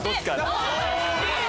お！